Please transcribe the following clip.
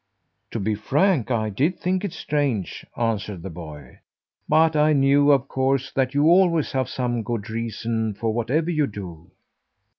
"To be frank, I did think it strange," answered the boy. "But I knew, of course, that you always have some good reason for whatever you do."